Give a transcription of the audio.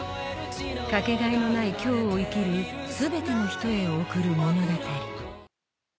かけがえのない今日を生きる全ての人へ贈る物語